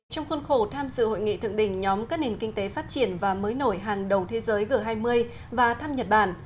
trong khuôn khổ tham dự hội nghị thượng đỉnh nhóm các nền kinh tế phát triển và mới nổi hàng đầu thế giới g hai mươi và thăm nhật bản